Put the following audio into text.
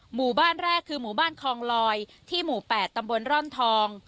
หมู่บ้านแรกคือหมู่บ้านคลองลอยที่หมู่๘ตำบลร่อนทอง